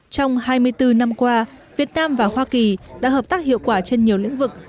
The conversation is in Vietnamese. trong hai mươi bốn năm qua việt nam và hoa kỳ đã hợp tác hiệu quả trên nhiều lĩnh vực